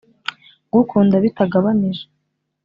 kugukunda bitagabanije